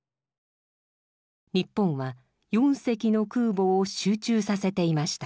日本は４隻の空母を集中させていました。